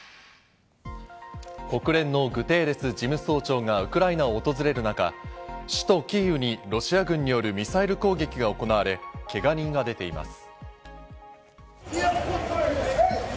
国連のグテーレス事務総長がウクライナを訪れる中、首都キーウにロシア軍によるミサイル攻撃が行われ、けが人が出ています。